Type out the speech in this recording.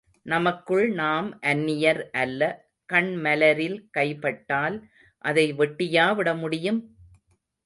நமக்குள் நாம் அந்நியர் அல்ல கண் மலரில் கைபட்டால் அதை வெட்டியா விட முடியும்?